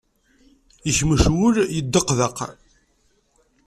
Yekmec wul yeddeqdeq.